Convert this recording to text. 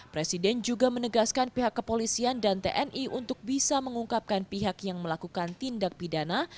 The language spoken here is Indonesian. presiden juga menegaskan pihak kepolisian dan tni untuk bisa mengungkapkan pihak yang melakukan tindak pidana